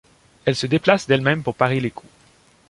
Elle se déplace d'elle-même pour parer les coups.